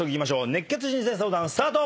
熱血人生相談スタート！